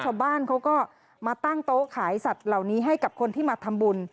ชาวบ้านเขาก็มาตั้งโต๊ะขายสัตว์เหล่านี้ให้กับคนที่มาทำบุญ